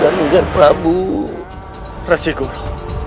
dari mana sayang dia dia